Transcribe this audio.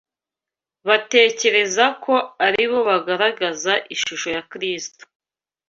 Batekereza ko ari bo bagaragaza ishusho ya Kristo